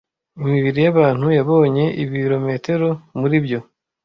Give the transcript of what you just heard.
Imibiri yabantu yabonye ibirometero muri byo